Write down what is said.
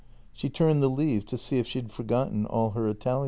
She turned the leaves to see if she had forgotten all her Italian.